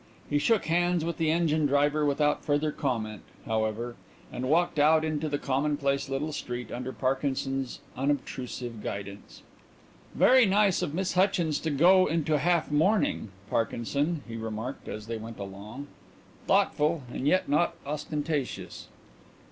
He shook hands with the engine driver without further comment, however, and walked out into the commonplace little street under Parkinson's unobtrusive guidance. "Very nice of Miss Hutchins to go into half mourning, Parkinson," he remarked as they went along. "Thoughtful, and yet not ostentatious."